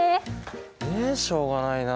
ええしょうがないな。